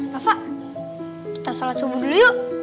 bapak kita sholat subuh dulu yuk